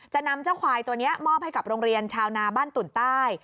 นำเจ้าควายตัวนี้มอบให้กับโรงเรียนชาวนาบ้านตุ่นใต้